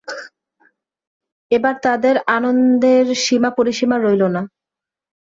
এবার তাদের আনন্দের সীমা পরিসীমা রইলো না।